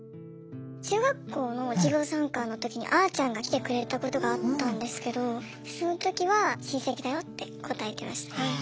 中学校の授業参観のときにあーちゃんが来てくれたことがあったんですけどそのときは「親戚だよ」って答えてましたね。